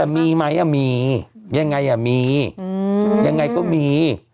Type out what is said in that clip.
แต่มีไหมอะมียังไงอะมียังไงก็มี